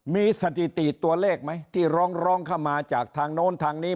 มีสถิติตัวเลขไหมที่ร้องเข้ามาจากทางโน้นทางนี้